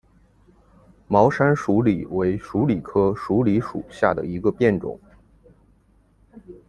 毛山鼠李为鼠李科鼠李属下的一个变种。